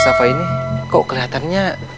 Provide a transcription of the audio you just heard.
shafa ini kok kelihatannya